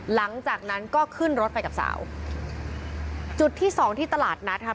หลังจากนั้นก็ขึ้นรถไปกับสาวจุดที่สองที่ตลาดนัดค่ะ